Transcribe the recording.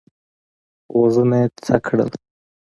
غوږونه یې څک کړل.